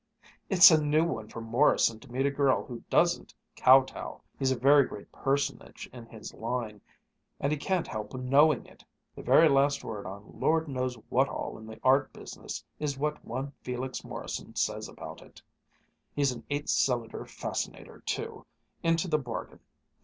"It's a new one for Morrison to meet a girl who doesn't kowtow. He's a very great personage in his line, and he can't help knowing it. The very last word on Lord knows what all in the art business is what one Felix Morrison says about it. He's an eight cylinder fascinator too, into the bargain.